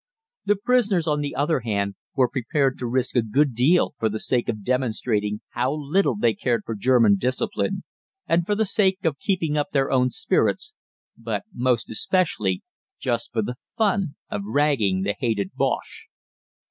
The prisoners, on the other hand, were prepared to risk a good deal for the sake of demonstrating how little they cared for German discipline, and for the sake of keeping up their own spirits, but most especially just for the fun of ragging the hated Bosche.